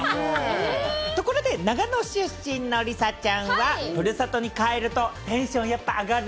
ところで長野出身の梨紗ちゃんは、ふるさとに帰るとテンションやっぱ上がる？